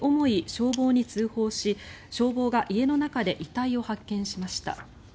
消防に通報し消防が家の中で遺体を発見しました。